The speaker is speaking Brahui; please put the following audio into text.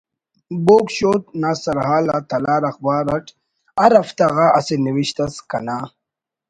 ”بوگ شُو“ نا سرحال آ ”تلار“ اخبار اٹ ہر ہفتہ غا اسہ نوشت اس کنا